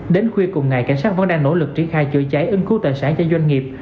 đến khuya cùng ngày cảnh sát vẫn đang nỗ lực triển khai chữa cháy ứng cứu tài sản cho doanh nghiệp